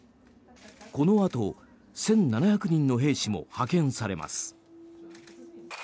このあと、１７００人の兵士も派遣されます。